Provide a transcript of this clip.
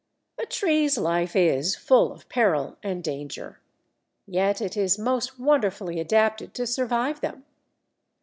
A tree's life is full of peril and danger. Yet it is most wonderfully adapted to survive them.